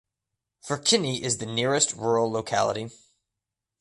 Verkhny is the nearest rural locality.